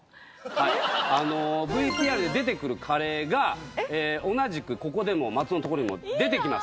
はいあのＶＴＲで出てくるカレーが同じくここでも松尾の所にも出てきます